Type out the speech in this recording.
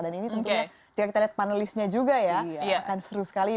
dan ini tentunya jika kita lihat panelisnya juga ya akan seru sekali